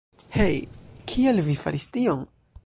Hej, kial vi faris tion?